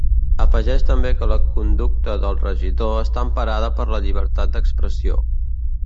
Afegeix també que la conducta del regidor està emparada per la llibertat d’expressió.